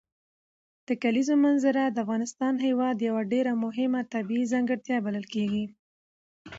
د کلیزو منظره د افغانستان هېواد یوه ډېره مهمه طبیعي ځانګړتیا بلل کېږي.